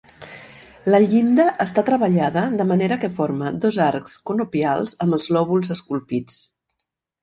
La llinda està treballada de manera que forma dos arcs conopials amb els lòbuls esculpits.